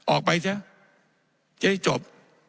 ออกไปซะจะได้จบ